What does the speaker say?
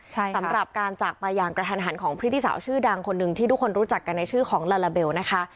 ใช่สำหรับการจากไปอย่างกระทันหันของพฤติสาวชื่อดังคนหนึ่งที่ทุกคนรู้จักกันในชื่อของลาลาเบลนะคะ